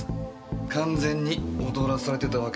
完全に踊らされてたわけですね。